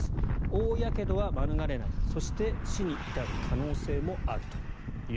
大やけどは免れないそして死に至る可能性もあると。